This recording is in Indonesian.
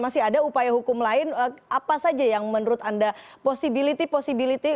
masih ada upaya hukum lain apa saja yang menurut anda possibility possibility